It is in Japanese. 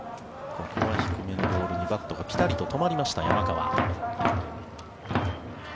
ここは低めのボールにバットがぴたりと止まりました山川。